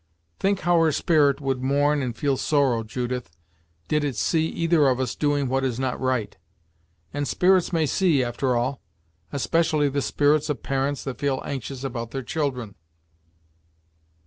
Think how her spirit would mourn and feel sorrow, Judith, did it see either of us doing what is not right; and spirits may see, after all; especially the spirits of parents that feel anxious about their children."